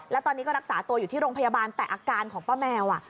แล้วตอนนี้ก็รักษาตัวอยู่ที่โรงพยาบาลแต่อาการของป้าแมว